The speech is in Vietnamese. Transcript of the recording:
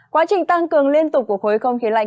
quá trình tăng cường liên tục của khối không khí lạnh